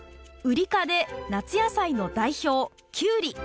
ウリ科で夏野菜の代表キュウリ！